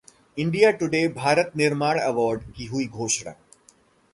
India Today Bharat निर्माण award की हुई घोषणा